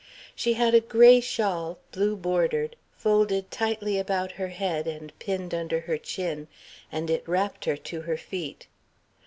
She had a gray shawl, blue bordered, folded tightly about her head and pinned under her chin, and it wrapped her to her feet.